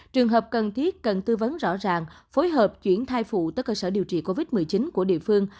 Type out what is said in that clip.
trường hợp cần thiết cần tư vấn rõ ràng phối hợp chuyển thai phụ tới cơ sở điều trị covid một mươi chín của địa phương